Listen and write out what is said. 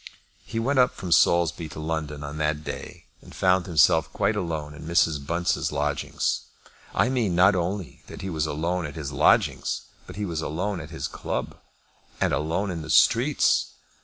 He went up from Saulsby to London on that day, and found himself quite alone in Mrs. Bunce's lodgings. I mean not only that he was alone at his lodgings, but he was alone at his club, and alone in the streets.